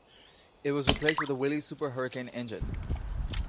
It was replaced with the Willys Super Hurricane engine.